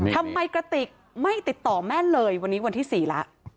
กระติกไม่ติดต่อแม่เลยวันนี้วันที่๔แล้ว